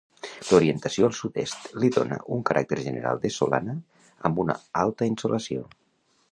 L'orientació al sud-est li dóna un caràcter general de solana amb una alta insolació.